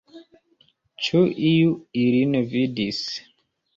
Ĉu iu ilin vidis?